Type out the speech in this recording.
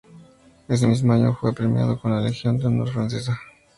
El mismo año, fue premiado con la Legión de honor francesa.